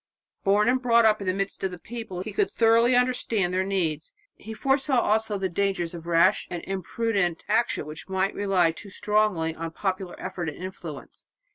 Born and brought up in the midst of the people, he could thoroughly understand their needs. He foresaw also the dangers of rash and imprudent action which might rely too strongly on popular effort and influence.